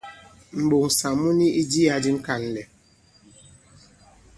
M̀ɓoŋsà mu ni i jiyā di ŋ̀kànlɛ̀.